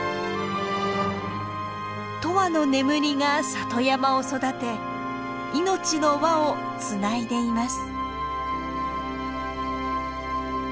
永遠の眠りが里山を育て命の輪をつないでいます。